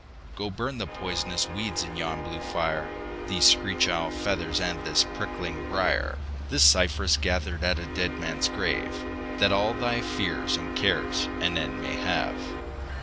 Go burn those poisonous weeds in yon blue fire, These screech owl's feathers and this prickling briar, This cypress gathered at a dead man's grave, That all thy fears and cares an end may have.